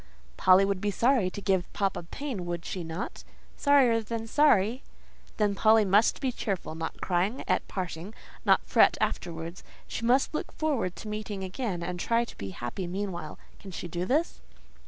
"Polly would be sorry to give papa pain; would she not?" "Sorrier than sorry." "Then Polly must be cheerful: not cry at parting; not fret afterwards. She must look forward to meeting again, and try to be happy meanwhile. Can she do this?"